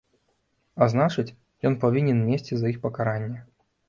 А значыць, ён павінен несці за іх пакаранне.